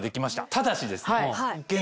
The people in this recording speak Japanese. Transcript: ただしですね。